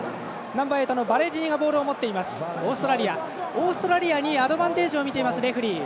オーストラリアにアドバンテージを見ていますレフリー。